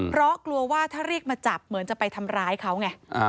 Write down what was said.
เพราะกลัวว่าถ้าเรียกมาจับเหมือนจะไปทำร้ายเขาไง